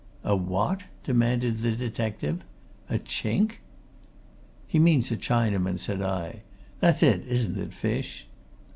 "A what?" demanded the detective. "A chink?" "He means a Chinaman," I said. "That's it, isn't it, Fish?"